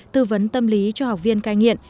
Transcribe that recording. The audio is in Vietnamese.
tư vấn tâm lý cho học viên cai nghiện